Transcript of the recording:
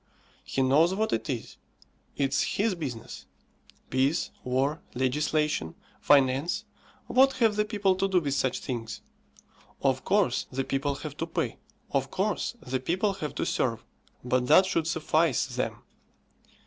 He knows what it is. It's his business. Peace, War, Legislation, Finance what have the people to do with such things? Of course the people have to pay; of course the people have to serve; but that should suffice them.